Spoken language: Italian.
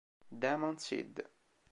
Demon Seed